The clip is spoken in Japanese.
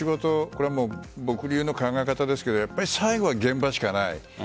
これは僕流の考え方ですが最後は現場しかない。